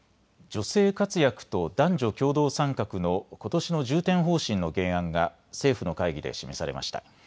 女性活躍と男女共同参画のことしの重点方針の原案が政府の会議で示されました。